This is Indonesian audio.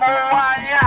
gotoh dulu ya alzheimer